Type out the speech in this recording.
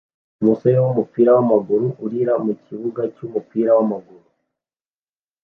Umusore wumupira wamaguru urira mukibuga cyumupira wamaguru